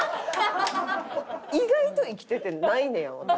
意外と生きててないんねや私。